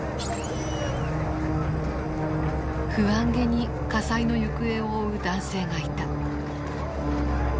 不安げに火災の行方を追う男性がいた。